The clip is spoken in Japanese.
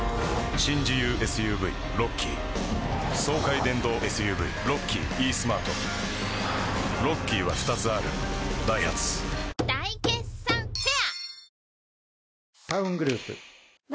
新自由ＳＵＶロッキー爽快電動ＳＵＶロッキーイースマートロッキーは２つあるダイハツ大決算フェア